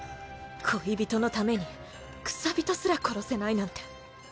恋人のために草人すら殺せないなんて。